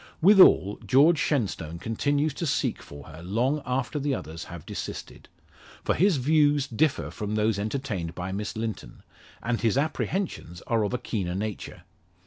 Withal, George Shenstone continues to seek for her long after the others have desisted. For his views differ from those entertained by Miss Linton, and his apprehensions are of a keener nature.